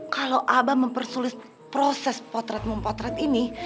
kalau aba mempersulis proses potret mempotret ini